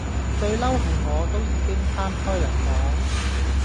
最嬲係我都已經攤開嚟講